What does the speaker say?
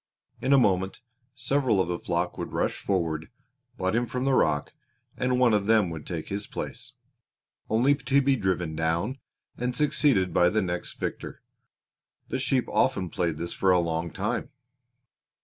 In a moment several of the flock would rush forward, butt him from the rock, and one of them would take his place, only to be driven down and succeeded by the next victor. The sheep often played this for a long time.